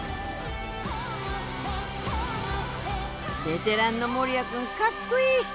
ベテランの森谷君かっこいい！